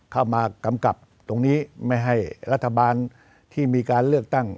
กำกับตรงนี้ไม่ให้รัฐบาลที่มีการเลือกตั้ง